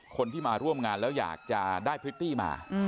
คนที่มาร่วมงานแล้วอยากจะได้พริตตี้มา